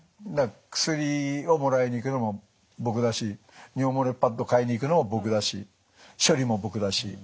薬をもらいに行くのも僕だし尿漏れパッド買いに行くのも僕だし処理も僕だし。